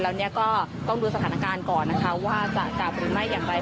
แล้วเนี่ยก็ต้องดูสถานการณ์ก่อนนะคะว่าจะจับหรือไม่อย่างไร